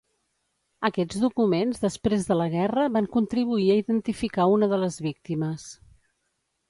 Aquests documents després de la guerra van contribuir a identificar unes de les víctimes.